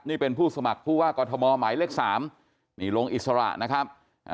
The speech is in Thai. นี่เป็นผู้สมัครผู้ว่ากอทมหมายเลข๓นี่ลงอิสระนะครับ